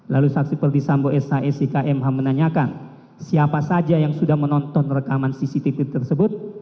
lalu saksi perdisambo s a s i k m h menanyakan siapa saja yang sudah menonton rekaman cctv tersebut